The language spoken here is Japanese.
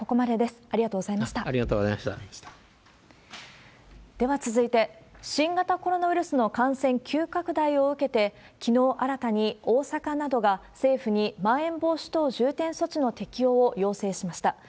では続いて、新型コロナウイルスの感染急拡大を受けて、きのう新たに大阪などが政府にまん延防止等重点措置の適用を要請しました。